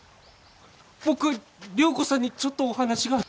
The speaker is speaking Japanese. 僕良子さんにちょっとお話が。